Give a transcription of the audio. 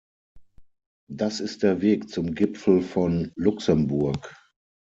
Das ist der Weg zum Gipfel von Luxemburg.